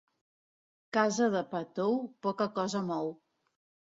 Casa de pa tou, poca cosa mou.